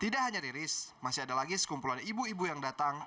tidak hanya riris masih ada lagi sekumpulan ibu ibu yang datang